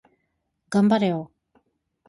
頑張れよ